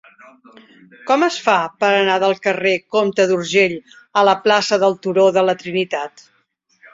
Com es fa per anar del carrer del Comte d'Urgell a la plaça del Turó de la Trinitat?